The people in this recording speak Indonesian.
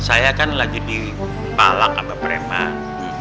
saya kan lagi di palak sama preman